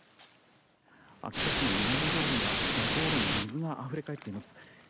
秋田市の南通りは道路に水があふれ返っています。